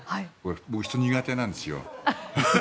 僕、人が苦手なんですよ。